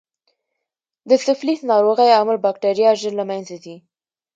د سفلیس ناروغۍ عامل بکټریا ژر له منځه ځي.